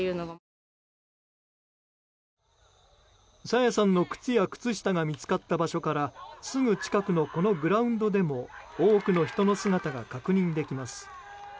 朝芽さんの靴や靴下が見つかった場所からすぐ近くのこのグラウンドでも多くの人の姿が確認できます。